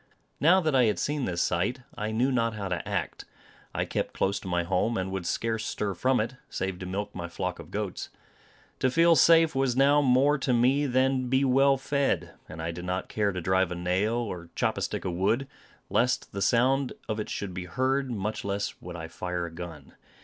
Now that I had seen this sight, I knew not how to act; I kept close to my home, and would scarce stir from it, save to milk my flock of goats. To feel safe was now more to me than to be well fed; and I did not care to drive a nail, or chop a stick of wood, lest the sound of it should be heard, much less would I fire a gun.